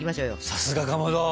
さすがかまど！